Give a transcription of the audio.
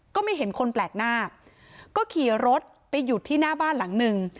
ก็ไม่เห็นคนแปลกหน้าก็ขี่รถไปหยุดที่หน้าบ้านหลังหนึ่ง